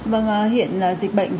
vâng hiện dịch bệnh